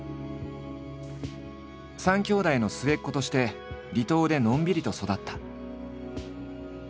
３きょうだいの末っ子として離島でのんびりと育った。